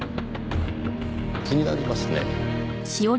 気になりますねぇ。